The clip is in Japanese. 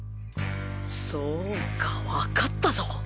そうかわかったぞ